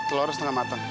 telur setengah matang